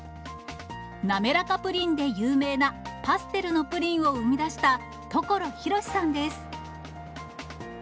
なめらかプリンで有名なパステルのプリンを生み出した、所浩史さんです。